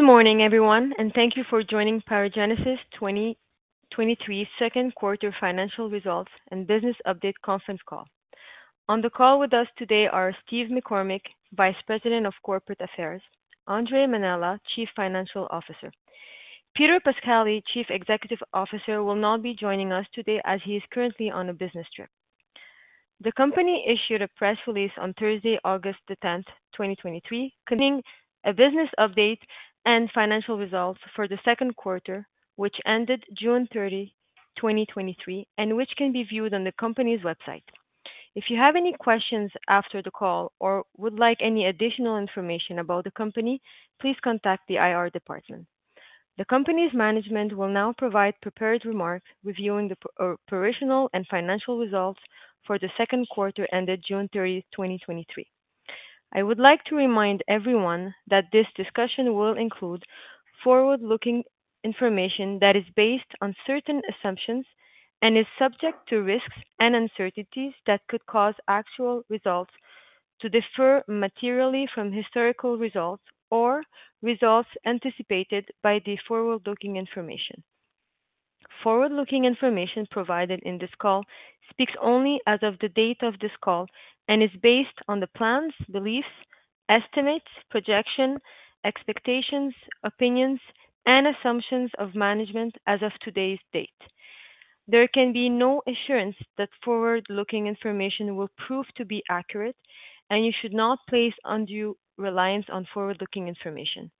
Good morning, everyone, and thank you for joining PyroGenesis 2023 second quarter financial results and business update conference call. On the call with us today are Steve McCormick, Vice President of Corporate Affairs, Andre Mainella, Chief Financial Officer. Peter Pascali, Chief Executive Officer, will not be joining us today as he is currently on a business trip. The company issued a press release on Thursday, August 10th, 2023, containing a business update and financial results for the second quarter, which ended June 30th, 2023, and which can be viewed on the company's website. If you have any questions after the call or would like any additional information about the company, please contact the IR department. The company's management will now provide prepared remarks reviewing the operational and financial results for the second quarter ended June 30th, 2023. I would like to remind everyone that this discussion will include forward-looking information that is based on certain assumptions and is subject to risks and uncertainties that could cause actual results to differ materially from historical results or results anticipated by the forward-looking information. Forward-looking information provided in this call speaks only as of the date of this call and is based on the plans, beliefs, estimates, projection, expectations, opinions, and assumptions of management as of today's date. There can be no assurance that forward-looking information will prove to be accurate, and you should not place undue reliance on forward-looking information.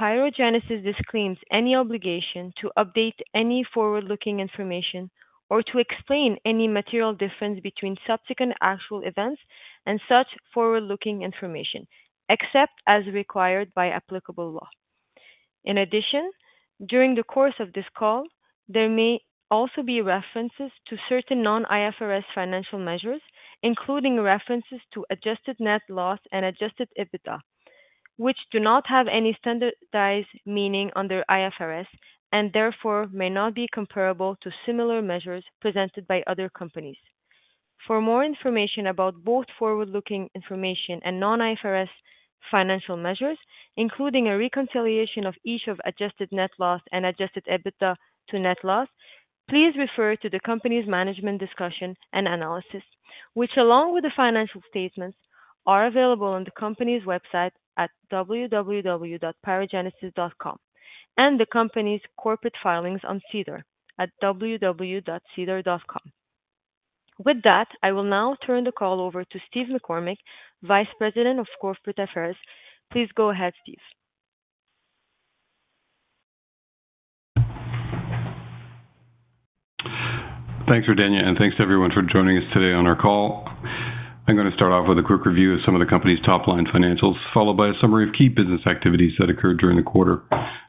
PyroGenesis disclaims any obligation to update any forward-looking information or to explain any material difference between subsequent actual events and such forward-looking information, except as required by applicable law. In addition, during the course of this call, there may also be references to certain non-IFRS financial measures, including references to adjusted net loss and Adjusted EBITDA, which do not have any standardized meaning under IFRS and therefore may not be comparable to similar measures presented by other companies. For more information about both forward-looking information and non-IFRS financial measures, including a reconciliation of each of adjusted net loss and Adjusted EBITDA to net loss, please refer to the company's management discussion and analysis, which, along with the financial statements, are available on the company's website at www.pyrogenesis.com and the company's corporate filings on SEDAR at www.sedar.com. With that, I will now turn the call over to Steve McCormick, Vice President of Corporate Affairs. Please go ahead, Steve. Thanks, Rodayna, and thanks to everyone for joining us today on our call. I'm going to start off with a quick review of some of the company's top-line financials, followed by a summary of key business activities that occurred during the quarter.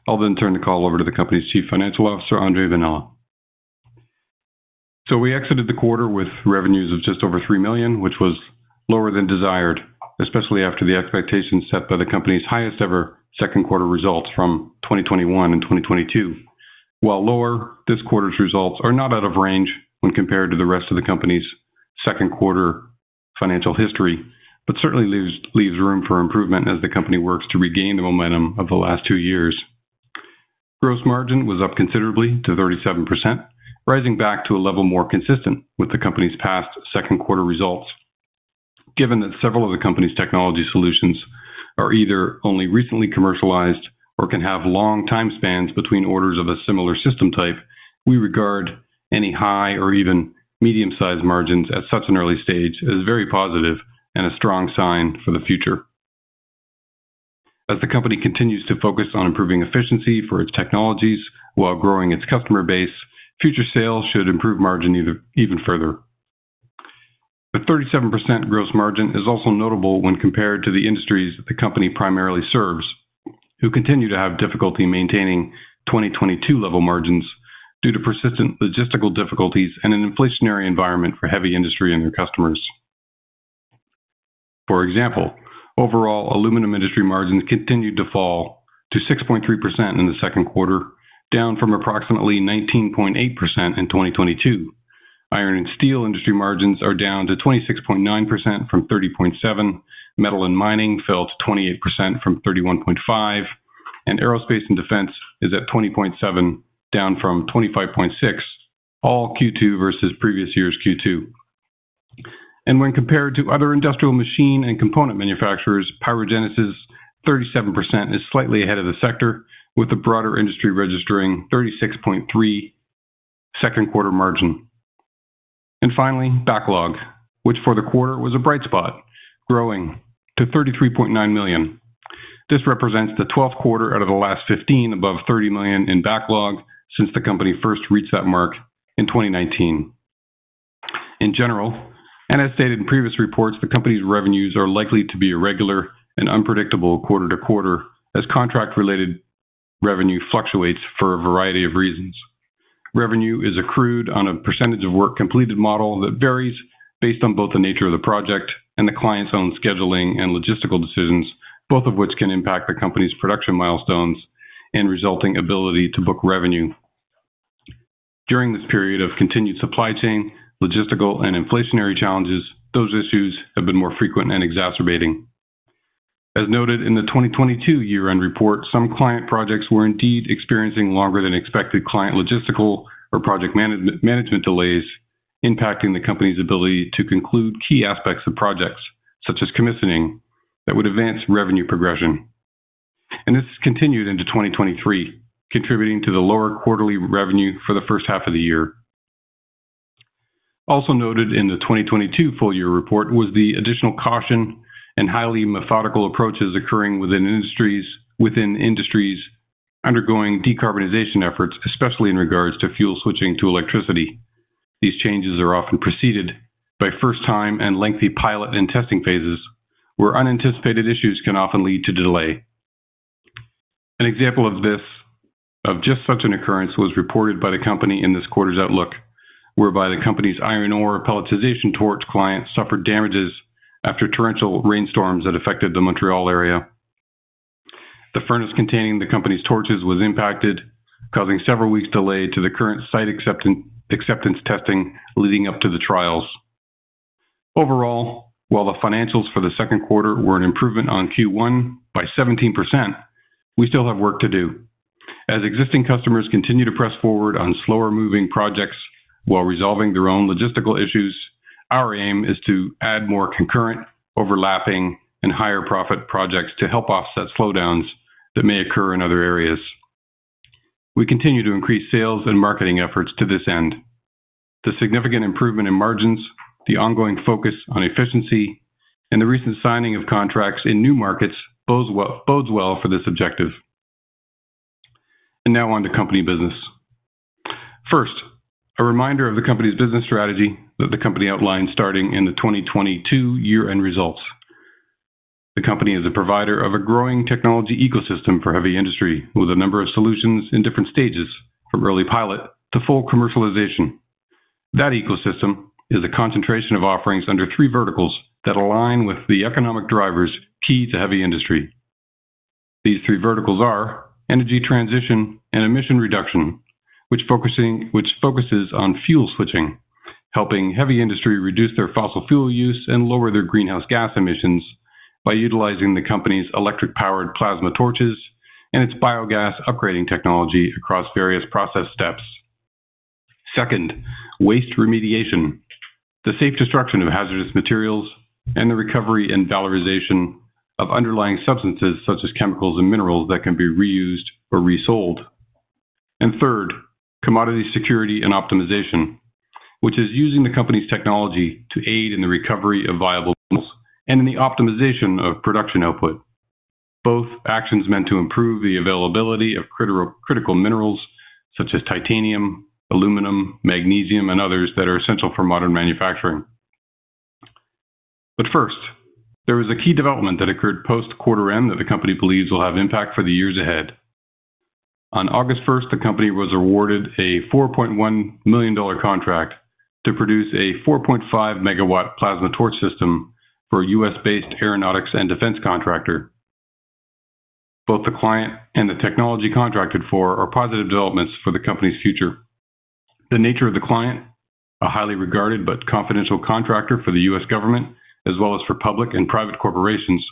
I'll then turn the call over to the company's Chief Financial Officer, Andre Mainella. We exited the quarter with revenues of just over 3 million, which was lower than desired, especially after the expectations set by the company's highest-ever second quarter results from 2021 and 2022. While lower, this quarter's results are not out of range when compared to the rest of the company's second quarter financial history, but certainly leaves, leaves room for improvement as the company works to regain the momentum of the last two years. Gross margin was up considerably to 37%, rising back to a level more consistent with the company's past second quarter results. Given that several of the company's technology solutions are either only recently commercialized or can have long time spans between orders of a similar system type, we regard any high or even medium-sized margins at such an early stage as very positive and a strong sign for the future. As the company continues to focus on improving efficiency for its technologies while growing its customer base, future sales should improve margin even further. The 37% gross margin is also notable when compared to the industries the company primarily serves, who continue to have difficulty maintaining 2022 level margins due to persistent logistical difficulties and an inflationary environment for heavy industry and their customers. For example, overall aluminum industry margins continued to fall to 6.3% in the second quarter, down from approximately 19.8% in 2022. Iron and steel industry margins are down to 26.9% from 30.7%. Metal and mining fell to 28% from 31.5%, and aerospace and defense is at 20.7%, down from 25.6%, all Q2 versus previous year's Q2. When compared to other industrial machine and component manufacturers, PyroGenesis' 37% is slightly ahead of the sector, with the broader industry registering 36.3% second quarter margin. Finally, backlog, which for the quarter was a bright spot, growing to 33.9 million. This represents the 12th quarter out of the last 15 above 30 million in backlog since the company first reached that mark in 2019. In general, as stated in previous reports, the company's revenues are likely to be irregular and unpredictable quarter to quarter, as contract-related revenue fluctuates for a variety of reasons. Revenue is accrued on a percentage of work completed model that varies based on both the nature of the project and the client's own scheduling and logistical decisions, both of which can impact the company's production milestones and resulting ability to book revenue. During this period of continued supply chain, logistical, and inflationary challenges, those issues have been more frequent and exacerbating. As noted in the 2022 year-end report, some client projects were indeed experiencing longer than expected client logistical or management delays, impacting the company's ability to conclude key aspects of projects such as commissioning, that would advance revenue progression. This has continued into 2023, contributing to the lower quarterly revenue for the first half of the year. Also noted in the 2022 full year report was the additional caution and highly methodical approaches occurring within industries, within industries undergoing decarbonization efforts, especially in regards to fuel switching to electricity. These changes are often preceded by first time and lengthy pilot and testing phases, where unanticipated issues can often lead to delay. An example of this, of just such an occurrence, was reported by the company in this quarter's outlook, whereby the company's iron ore pelletization torch client suffered damages after torrential rainstorms that affected the Montreal area. The furnace containing the company's torches was impacted, causing several weeks delay to the current site acceptance, acceptance testing leading up to the trials. Overall, while the financials for the second quarter were an improvement on Q1 by 17%, we still have work to do. As existing customers continue to press forward on slower moving projects while resolving their own logistical issues, our aim is to add more concurrent, overlapping, and higher profit projects to help offset slowdowns that may occur in other areas. We continue to increase sales and marketing efforts to this end. The significant improvement in margins, the ongoing focus on efficiency, and the recent signing of contracts in new markets bodes well, bodes well for this objective. Now on to company business. First, a reminder of the company's business strategy that the company outlined starting in the 2022 year-end results. The company is a provider of a growing technology ecosystem for heavy industry, with a number of solutions in different stages, from early pilot to full commercialization. That ecosystem is a concentration of offerings under three verticals that align with the economic drivers key to heavy industry. These three verticals are energy transition and emission reduction, which focuses on fuel switching, helping heavy industry reduce their fossil fuel use and lower their greenhouse gas emissions by utilizing the company's electric-powered plasma torches and its biogas upgrading technology across various process steps. Second, waste remediation, the safe destruction of hazardous materials, and the recovery and valorization of underlying substances such as chemicals and minerals that can be reused or resold. Third, commodity security and optimization, which is using the company's technology to aid in the recovery of viable minerals and in the optimization of production output. Both actions meant to improve the availability of critical minerals such as titanium, aluminum, magnesium, and others that are essential for modern manufacturing. First, there was a key development that occurred post-quarter end that the company believes will have impact for the years ahead. On August 1st, the company was awarded a $4.1 million contract to produce a 4.5 MW plasma torch system for a U.S.-based aeronautics and defense contractor. Both the client and the technology contracted for are positive developments for the company's future. The nature of the client, a highly regarded but confidential contractor for the U.S. government, as well as for public and private corporations,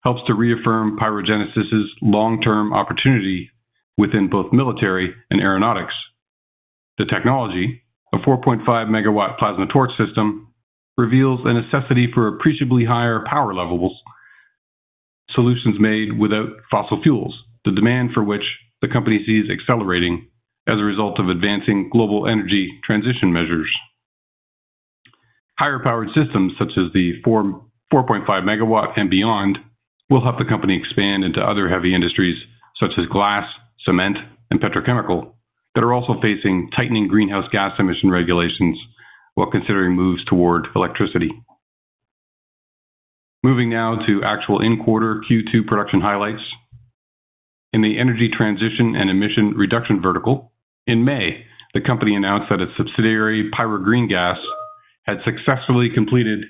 helps to reaffirm PyroGenesis's long-term opportunity within both military and aeronautics. The technology, a 4.5 MW plasma torch system, reveals a necessity for appreciably higher power levels, solutions made without fossil fuels, the demand for which the company sees accelerating as a result of advancing global energy transition measures. Higher-powered systems, such as the 4 MW, 4.5 MW and beyond, will help the company expand into other heavy industries such as glass, cement, and petrochemical, that are also facing tightening greenhouse gas emission regulations while considering moves toward electricity. Moving now to actual in-quarter Q2 production highlights. In the energy transition and emission reduction vertical, in May, the company announced that its subsidiary, Pyro Green-Gas, had successfully completed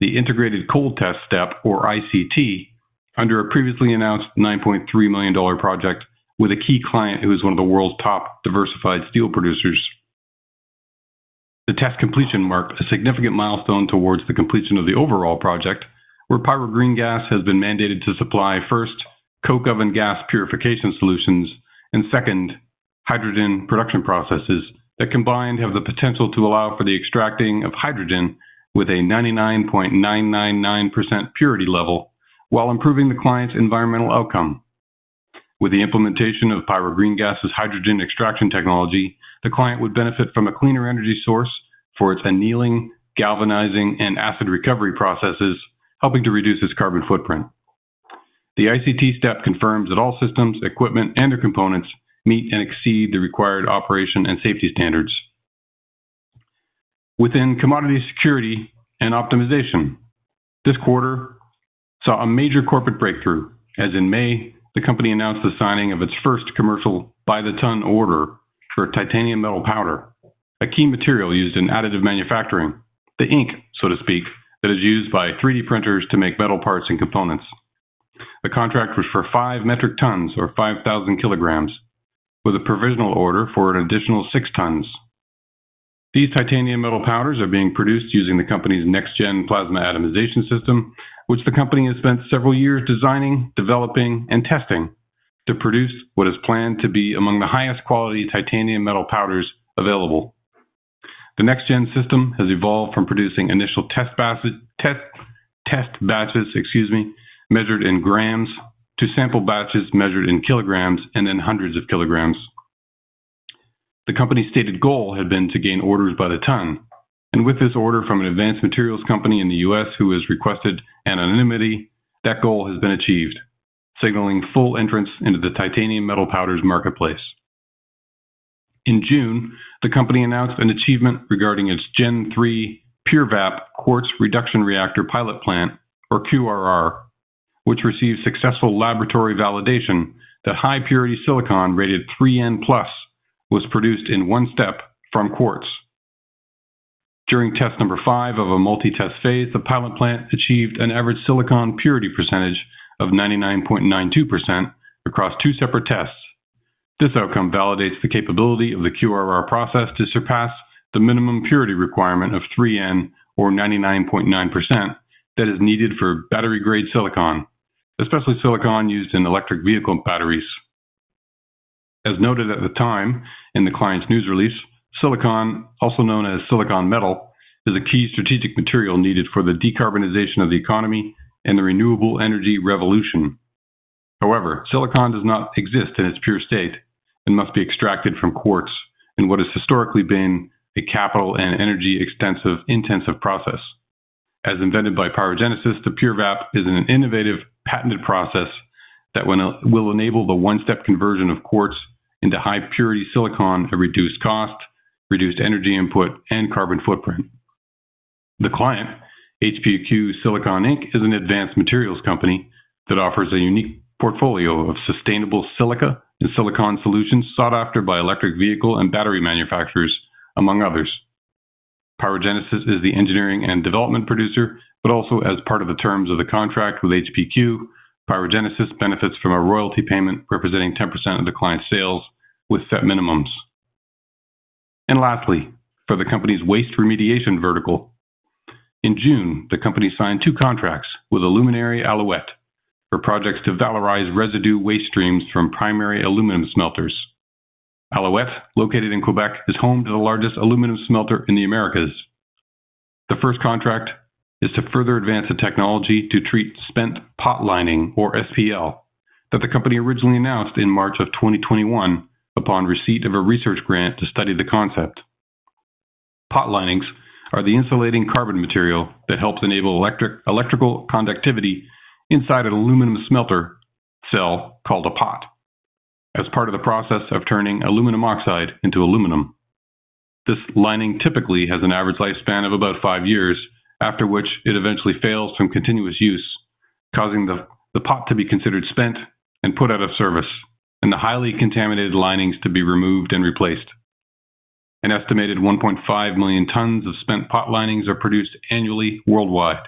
the Integrated Cold Test step, or ICT, under a previously announced 9.3 million dollar project with a key client who is one of the world's top diversified steel producers. The test completion marked a significant milestone towards the completion of the overall project, where Pyro Green-Gas has been mandated to supply first, coke oven gas purification solutions, and second, hydrogen production processes that combined have the potential to allow for the extracting of hydrogen with a 99.999% purity level while improving the client's environmental outcome. With the implementation of Pyro Green-Gas's hydrogen extraction technology, the client would benefit from a cleaner energy source for its annealing, galvanizing, and acid recovery processes, helping to reduce its carbon footprint. The ICT step confirms that all systems, equipment, and their components meet and exceed the required operation and safety standards. Within commodity security and optimization, this quarter saw a major corporate breakthrough, as in May, the company announced the signing of its first commercial by-the-ton order for titanium metal powder, a key material used in additive manufacturing. The ink, so to speak, that is used by 3D printers to make metal parts and components. The contract was for 5 metric tons, or 5,000 kg, with a provisional order for an additional 6 tons. These titanium metal powders are being produced using the company's NexGen plasma atomization system, which the company has spent several years designing, developing, and testing to produce what is planned to be among the highest quality titanium metal powders available. The NexGen system has evolved from producing initial test batches, excuse me, measured in grams, to sample batches measured in kilograms and then hundreds of kilograms. The company's stated goal had been to gain orders by the ton, and with this order from an advanced materials company in the U.S. who has requested anonymity, that goal has been achieved, signaling full entrance into the titanium metal powders marketplace. In June, the company announced an achievement regarding its GEN3 PUREVAP Quartz Reduction Reactor pilot plant, or QRR, which received successful laboratory validation that high-purity silicon, rated 3N+, was produced in one step from quartz. During test number five of a multi-test phase, the pilot plant achieved an average silicon purity percentage of 99.92% across two separate tests. This outcome validates the capability of the QRR process to surpass the minimum purity requirement of 3N or 99.9% that is needed for battery-grade silicon, especially silicon used in electric vehicle batteries. As noted at the time in the client's news release, silicon, also known as silicon metal, is a key strategic material needed for the decarbonization of the economy and the renewable energy revolution. However, silicon does not exist in its pure state and must be extracted from quartz in what has historically been a capital and energy extensive, intensive process. As invented by PyroGenesis, the PUREVAP is an innovative patented process that will enable the one-step conversion of quartz into high purity silicon at reduced cost, reduced energy input, and carbon footprint. The client, HPQ Silicon Inc., is an advanced materials company that offers a unique portfolio of sustainable silica and silicon solutions sought after by electric vehicle and battery manufacturers, among others. PyroGenesis is the engineering and development producer, but also as part of the terms of the contract with HPQ, PyroGenesis benefits from a royalty payment representing 10% of the client's sales with set minimums. Lastly, for the company's waste remediation vertical. In June, the company signed two contracts with Aluminerie Alouette for projects to valorize residue waste streams from primary aluminum smelters. Alouette, located in Quebec, is home to the largest aluminum smelter in the Americas. The first contract is to further advance the technology to treat spent pot lining, or SPL, that the company originally announced in March of 2021 upon receipt of a research grant to study the concept. Pot linings are the insulating carbon material that helps enable electrical conductivity inside an aluminum smelter cell called a pot, as part of the process of turning aluminum oxide into aluminum. This lining typically has an average lifespan of about five years, after which it eventually fails from continuous use, causing the pot to be considered spent and put out of service, and the highly contaminated linings to be removed and replaced. An estimated 1.5 million tons of spent pot linings are produced annually worldwide.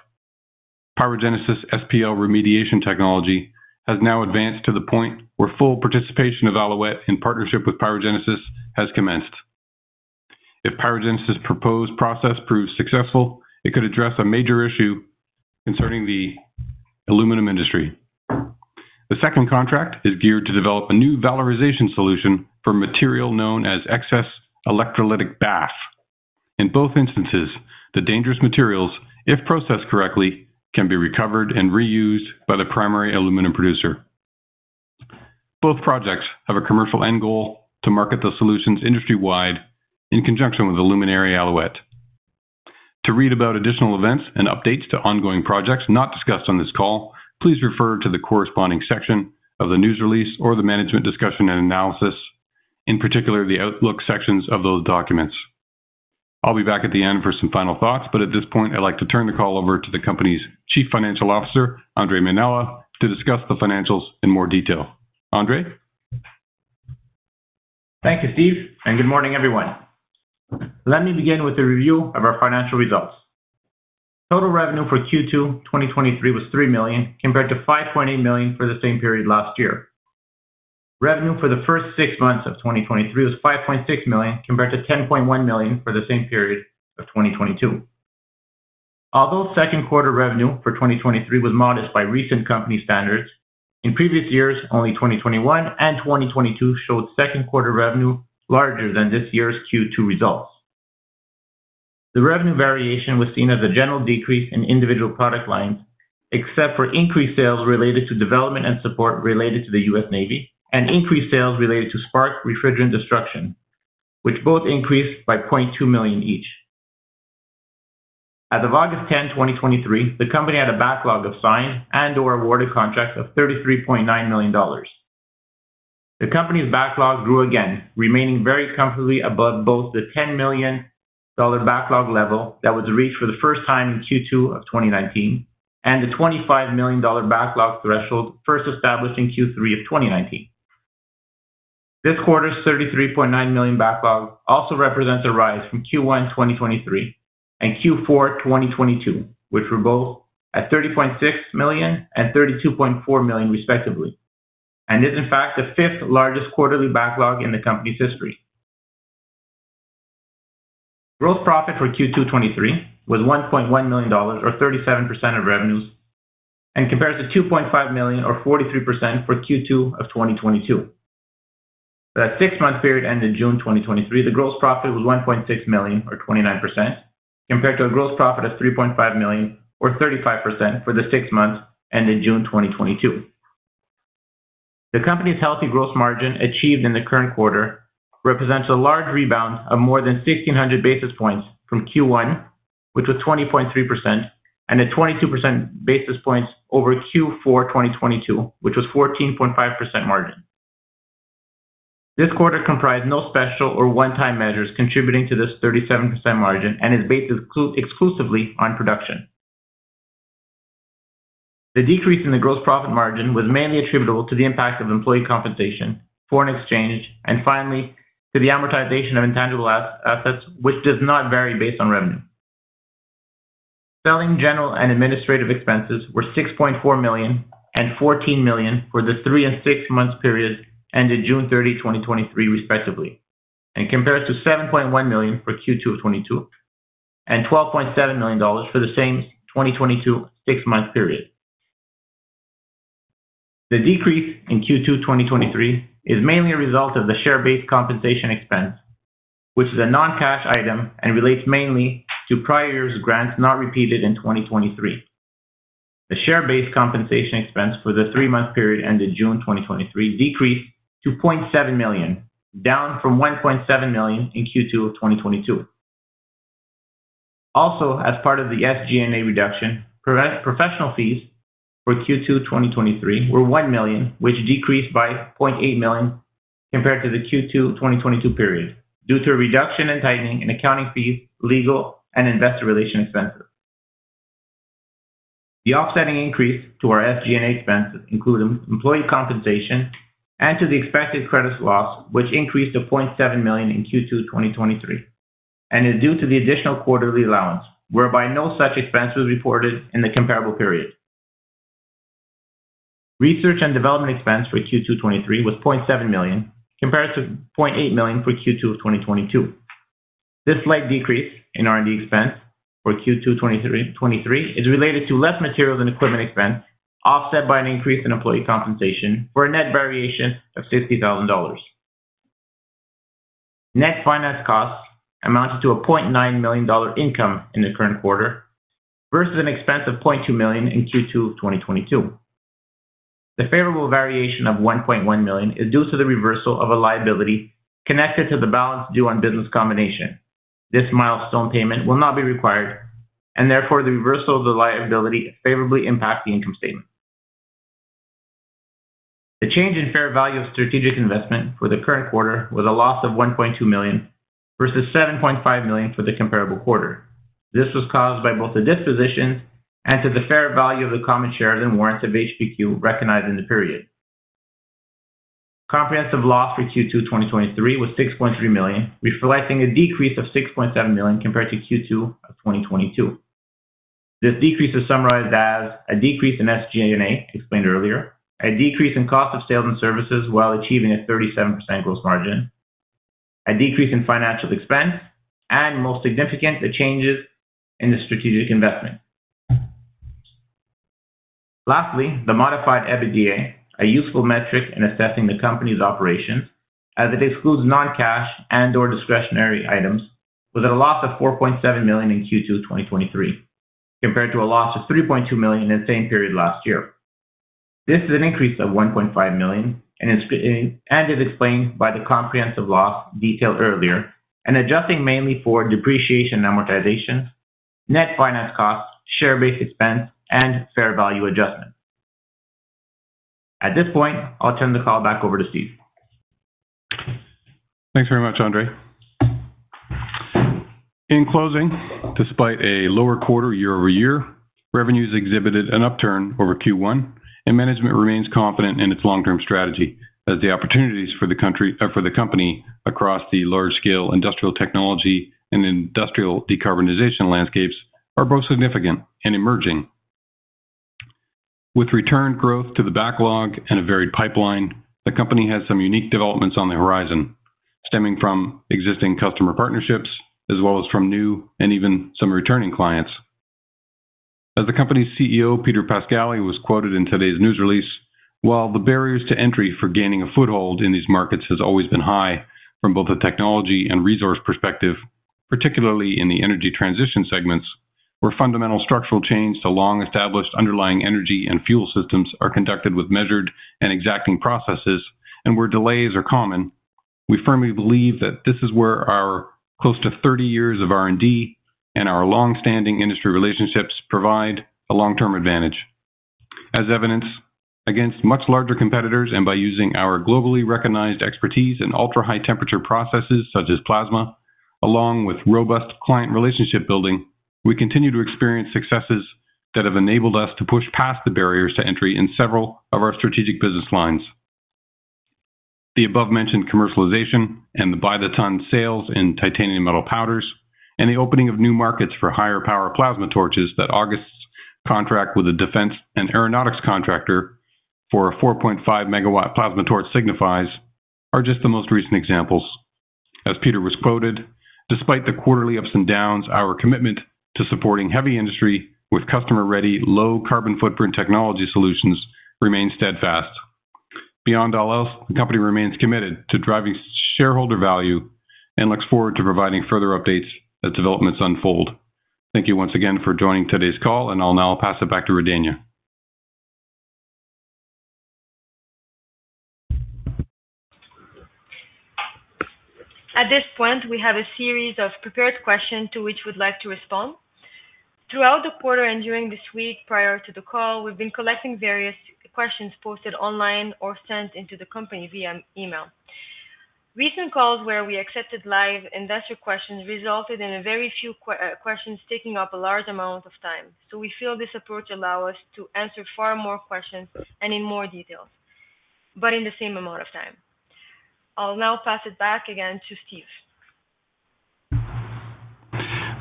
PyroGenesis SPL remediation technology has now advanced to the point where full participation of Alouette in partnership with PyroGenesis has commenced. If PyroGenesis's proposed process proves successful, it could address a major issue concerning the aluminum industry. The second contract is geared to develop a new valorization solution for material known as excess electrolytic bath. In both instances, the dangerous materials, if processed correctly, can be recovered and reused by the primary aluminum producer. Both projects have a commercial end goal to market the solutions industry-wide in conjunction with Aluminerie Alouette. To read about additional events and updates to ongoing projects not discussed on this call, please refer to the corresponding section of the news release or the management discussion and analysis, in particular, the outlook sections of those documents. I'll be back at the end for some final thoughts, but at this point, I'd like to turn the call over to the company's Chief Financial Officer, Andre Mainella, to discuss the financials in more detail. Andre? Thank you, Steve, good morning, everyone. Let me begin with a review of our financial results. Total revenue for Q2 2023 was $3 million, compared to $5.8 million for the same period last year. Revenue for the first six months of 2023 was $5.6 million, compared to $10.1 million for the same period of 2022. Although second quarter revenue for 2023 was modest by recent company standards, in previous years, only 2021 and 2022 showed second quarter revenue larger than this year's Q2 results. The revenue variation was seen as a general decrease in individual product lines, except for increased sales related to development and support related to the U.S. Navy, and increased sales related to SPARC refrigerant destruction, which both increased by $0.2 million each. As of August 10th, 2023, the company had a backlog of signed and or awarded contracts of $33.9 million. The company's backlog grew again, remaining very comfortably above both the $10 million backlog level that was reached for the first time in Q2 2019, and the $25 million backlog threshold, first established in Q3 2019. This quarter's $33.9 million backlog also represents a rise from Q1 2023 and Q4 2022, which were both at $30.6 million and $32.4 million, respectively, and is in fact, the fifth largest quarterly backlog in the company's history. Gross profit for Q2 2023 was $1.1 million or 37% of revenues, and compares to $2.5 million or 43% for Q2 2022. For that six-month period ended June 2023, the gross profit was 1.6 million or 29%, compared to a gross profit of 3.5 million or 35% for the six months ended June 2022. The company's healthy gross margin achieved in the current quarter represents a large rebound of more than 1,600 basis points from Q1, which was 20.3%, and a 22% basis points over Q4 2022, which was 14.5% margin. This quarter comprised no special or one-time measures contributing to this 37% margin and is based exclusively on production. The decrease in the gross profit margin was mainly attributable to the impact of employee compensation, foreign exchange, and finally, to the amortization of intangible assets, which does not vary based on revenue. Selling general and administrative expenses were $6.4 million and $14 million for the three and six months period ended June 30th, 2023, respectively, compares to $7.1 million for Q2 of 2022, and $12.7 million for the same 2022 six-month period. The decrease in Q2 2023 is mainly a result of the share-based compensation expense, which is a non-cash item and relates mainly to prior year's grants, not repeated in 2023. The share-based compensation expense for the three-month period ended June 2023 decreased to $0.7 million, down from $1.7 million in Q2 of 2022. As part of the SG&A reduction, professional fees for Q2 2023 were $1 million, which decreased by $0.8 million compared to the Q2 2022 period, due to a reduction in tightening in accounting fees, legal and investor relations expenses. The offsetting increase to our SG&A expenses include employee compensation and to the expected credit loss, which increased to 0.7 million in Q2 2023, and is due to the additional quarterly allowance, whereby no such expense was reported in the comparable period. Research and development expense for Q2 2023 was 0.7 million, compared to 0.8 million for Q2 of 2022. This slight decrease in R&D expense for Q2 2023 is related to less materials and equipment expense, offset by an increase in employee compensation for a net variation of 60,000 dollars. Net finance costs amounted to a 0.9 million dollar income in the current quarter, versus an expense of 0.2 million in Q2 of 2022. The favorable variation of 1.1 million is due to the reversal of a liability connected to the balance due on business combination. This milestone payment will not be required, therefore, the reversal of the liability favorably impact the income statement. The change in fair value of strategic investment for the current quarter was a loss of 1.2 million versus 7.5 million for the comparable quarter. This was caused by both the disposition and to the fair value of the common shares and warrants of HPQ recognized in the period. Comprehensive loss for Q2 2023 was 6.3 million, reflecting a decrease of 6.7 million compared to Q2 of 2022. This decrease is summarized as a decrease in SG&A, explained earlier, a decrease in cost of sales and services while achieving a 37% gross margin, a decrease in financial expense, most significant, the changes in the strategic investment. Lastly, the Modified EBITDA, a useful metric in assessing the company's operations as it excludes non-cash and/or discretionary items, was at a loss of 4.7 million in Q2 2023, compared to a loss of 3.2 million in the same period last year. This is an increase of 1.5 million, and is explained by the comprehensive loss detailed earlier and adjusting mainly for depreciation and amortization, net finance costs, share-based expense, and fair value adjustment. At this point, I'll turn the call back over to Steve. Thanks very much, Andre. In closing, despite a lower quarter year-over-year, revenues exhibited an upturn over Q1. Management remains confident in its long-term strategy as the opportunities for the company across the large scale, industrial technology and industrial decarbonization landscapes are both significant and emerging. With return growth to the backlog and a varied pipeline, the company has some unique developments on the horizon, stemming from existing customer partnerships, as well as from new and even some returning clients. As the company's CEO, Peter Pascali, was quoted in today's news release, "While the barriers to entry for gaining a foothold in these markets has always been high from both a technology and resource perspective, particularly in the energy transition segments, where fundamental structural change to long-established underlying energy and fuel systems are conducted with measured and exacting processes, and where delays are common, we firmly believe that this is where our close to 30 years of R&D and our long-standing industry relationships provide a long-term advantage. As evidenced against much larger competitors, and by using our globally recognized expertise in ultrahigh temperature processes such as plasma..."... Along with robust client relationship building, we continue to experience successes that have enabled us to push past the barriers to entry in several of our strategic business lines. The above-mentioned commercialization and the by-the-ton sales in titanium metal powders, and the opening of new markets for higher power plasma torches that August's contract with the defense and aeronautics contractor for a 4.5 MW plasma torch signifies, are just the most recent examples. As Peter was quoted, "Despite the quarterly ups and downs, our commitment to supporting heavy industry with customer-ready, low carbon footprint technology solutions remains steadfast." Beyond all else, the company remains committed to driving shareholder value and looks forward to providing further updates as developments unfold. Thank you once again for joining today's call. I'll now pass it back to Rodayna. At this point, we have a series of prepared questions to which we'd like to respond. Throughout the quarter and during this week prior to the call, we've been collecting various questions posted online or sent into the company via email. Recent calls where we accepted live investor questions, resulted in a very few questions taking up a large amount of time. We feel this approach allow us to answer far more questions and in more detail, but in the same amount of time. I'll now pass it back again to Steve.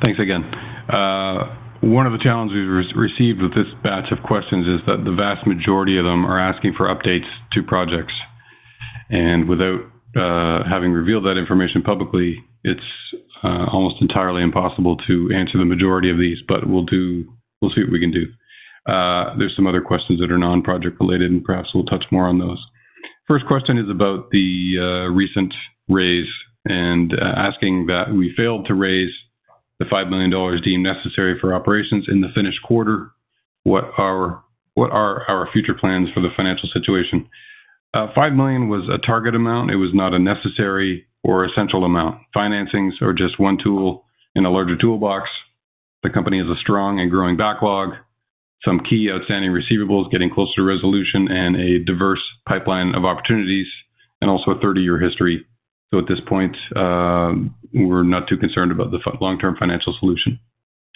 Thanks again. One of the challenges we've received with this batch of questions is that the vast majority of them are asking for updates to projects. Without having revealed that information publicly, it's almost entirely impossible to answer the majority of these, but we'll see what we can do. There's some other questions that are non-project related, and perhaps we'll touch more on those. First question is about the recent raise and asking that we failed to raise the $5 million deemed necessary for operations in the finished quarter. What are our future plans for the financial situation? $5 million was a target amount. It was not a necessary or essential amount. Financings are just one tool in a larger toolbox. The company has a strong and growing backlog, some key outstanding receivables getting closer to resolution, and a diverse pipeline of opportunities, and also a 30-year history. At this point, we're not too concerned about the long-term financial solution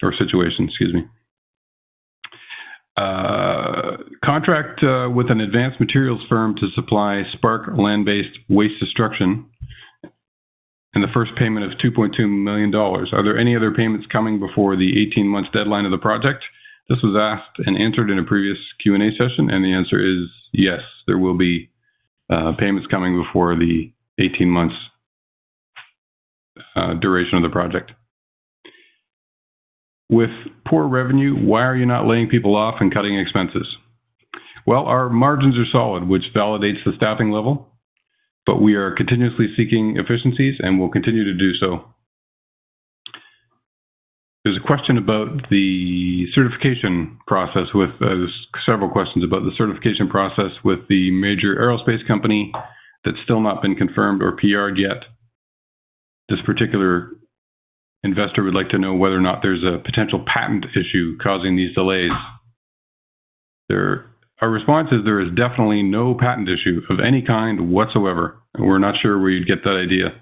or situation, excuse me. Contract with an advanced materials firm to supply SPARC Land-Based Waste Destruction, and the first payment of 2.2 million dollars. Are there any other payments coming before the 18 months deadline of the project? This was asked and answered in a previous Q&A session, the answer is yes, there will be payments coming before the 18 months duration of the project. With poor revenue, why are you not laying people off and cutting expenses? Our margins are solid, which validates the staffing level, but we are continuously seeking efficiencies and will continue to do so. There's a question about the certification process, with... Several questions about the certification process with the major aerospace company that's still not been confirmed or PR'd yet. This particular investor would like to know whether or not there's a potential patent issue causing these delays. Our response is there is definitely no patent issue of any kind whatsoever, and we're not sure where you'd get that idea.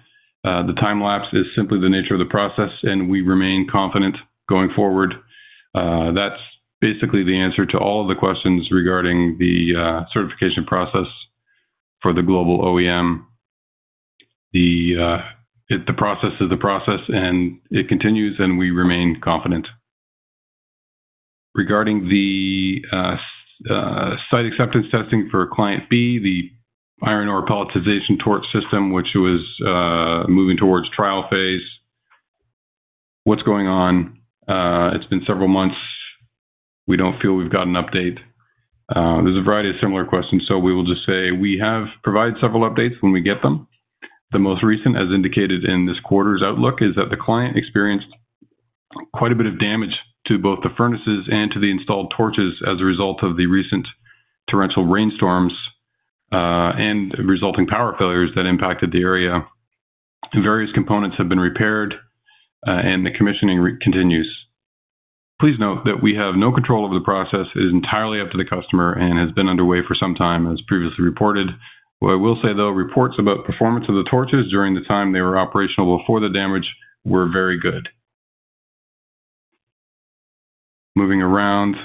The time lapse is simply the nature of the process, and we remain confident going forward. That's basically the answer to all of the questions regarding the certification process for the global OEM. The process is the process, and it continues, and we remain confident. Regarding the site acceptance testing for client B, the iron ore pelletization torch system, which was moving towards trial phase. What's going on? It's been several months. We don't feel we've got an update. There's a variety of similar questions, so we will just say we have provided several updates when we get them. The most recent, as indicated in this quarter's outlook, is that the client experienced quite a bit of damage to both the furnaces and to the installed torches as a result of the recent torrential rainstorms and resulting power failures that impacted the area. Various components have been repaired and the commissioning re- continues. Please note that we have no control over the process. It is entirely up to the customer and has been underway for some time, as previously reported. What I will say, though, reports about performance of the torches during the time they were operational before the damage were very good. Moving around.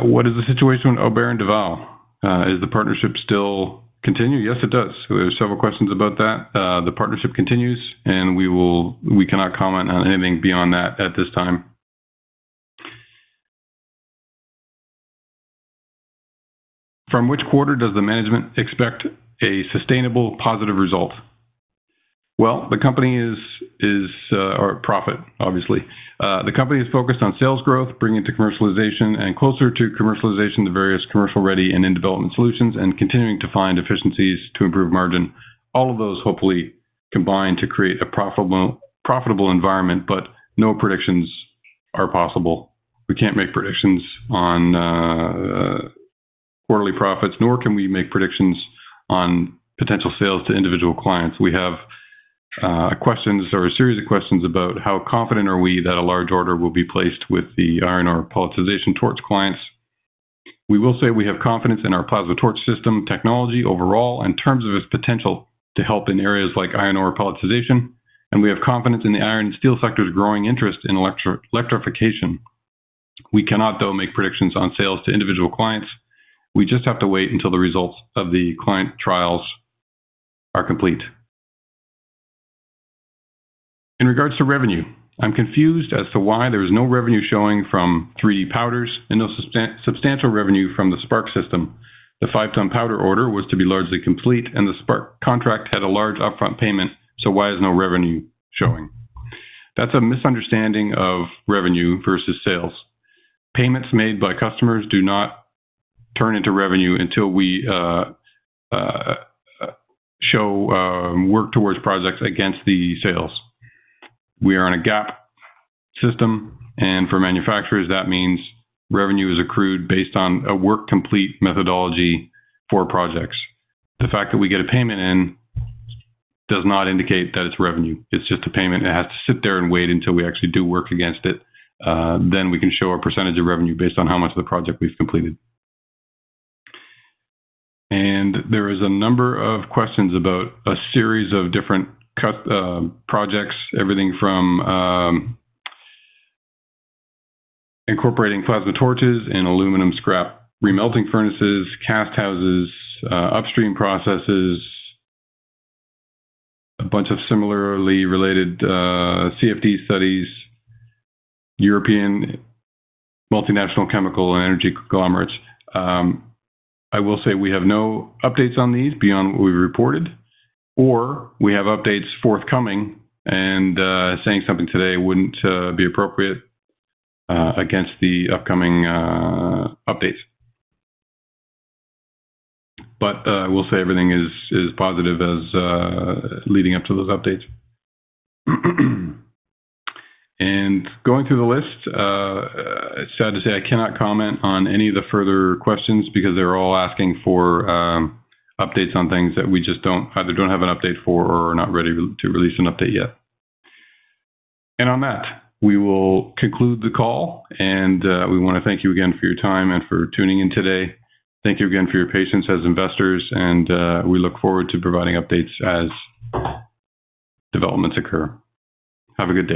What is the situation with Aubert & Duval? Is the partnership still continue? Yes, it does. There's several questions about that. The partnership continues, and we cannot comment on anything beyond that at this time. From which quarter does the management expect a sustainable positive result? Well, the company is, or profit, obviously. The company is focused on sales growth, bringing to commercialization, and closer to commercialization, the various commercial ready and in-development solutions, and continuing to find efficiencies to improve margin. All of those hopefully combine to create a profitable, profitable environment, but no predictions are possible. We can't make predictions on quarterly profits, nor can we make predictions on potential sales to individual clients. Questions or a series of questions about how confident are we that a large order will be placed with the iron ore pelletization torch clients? We will say we have confidence in our plasma torch system technology overall, in terms of its potential to help in areas like iron ore pelletization. We have confidence in the iron and steel sector's growing interest in electro-electrification. We cannot, though, make predictions on sales to individual clients. We just have to wait until the results of the client trials are complete. In regards to revenue, I'm confused as to why there is no revenue showing from three powders and no substantial revenue from the SPARC system. The five-ton powder order was to be largely complete, and the SPARC contract had a large upfront payment. Why is no revenue showing? That's a misunderstanding of revenue versus sales. Payments made by customers do not turn into revenue until we show work towards projects against the sales. We are in a GAAP system. For manufacturers, that means revenue is accrued based on a work complete methodology for projects. The fact that we get a payment in, does not indicate that it's revenue. It's just a payment, and it has to sit there and wait until we actually do work against it. We can show a % of revenue based on how much of the project we've completed. There is a number of questions about a series of different cut projects. Everything from incorporating plasma torches and aluminum scrap, re-melting furnaces, cast houses, upstream processes, a bunch of similarly related CFD studies, European multinational chemical and energy conglomerates. I will say we have no updates on these beyond what we reported, or we have updates forthcoming and saying something today wouldn't be appropriate against the upcoming updates. I will say everything is, is positive as leading up to those updates. Going through the list, it's sad to say I cannot comment on any of the further questions because they're all asking for updates on things that we just either don't have an update for or are not ready to release an update yet. On that, we will conclude the call, we want to thank you again for your time and for tuning in today. Thank you again for your patience as investors, we look forward to providing updates as developments occur. Have a good day.